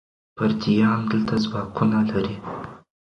پردیان دلته ځواکونه لري.